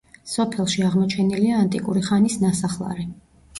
სოფელში აღმოჩენილია ანტიკური ხანის ნასახლარი.